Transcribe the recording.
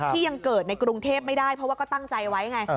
ที่ยังเกิดในกรุงเทพไม่ได้เพราะว่าก็ตั้งใจไว้ไง